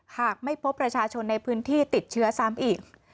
หากไม่พบประชาชนในพื้นที่ติดเชื้อซ้ำอีก